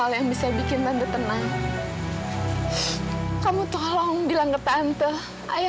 sampai jumpa di video selanjutnya